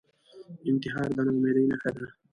انتحار د ناامیدۍ نښه ده